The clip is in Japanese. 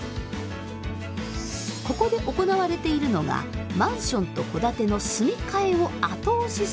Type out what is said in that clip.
ここで行われているのがマンションと戸建ての住み替えを後押しする取り組み。